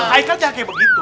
airnya kan kayak begitu